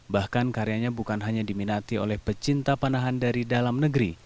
bahkan karyanya bukan hanya diminati oleh pecinta panahan dari dalam negeri